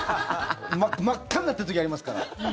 真っ赤になってる時ありますから。